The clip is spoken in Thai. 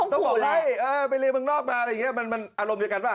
ต้องบอกให้ไปเรียนเมืองนอกมาอะไรอย่างนี้มันอารมณ์เดียวกันป่